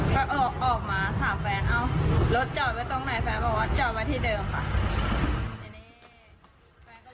ก็ออกมาถามแฟนเอ้ารถจอดไว้ตรงไหนแฟนบอกว่าจอดไว้ที่เดิมค่ะ